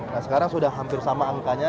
nah sekarang sudah hampir sama angkanya